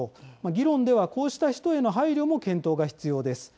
議論ではこうした人への配慮も検討が必要です。